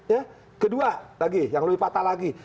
ya kedua lagi yang lebih patah lagi